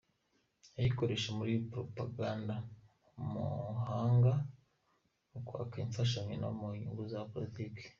-Kuyikoresha muri Propaganda mu mahanga mu kwaka imfashanyo no mu nyungu za politiki.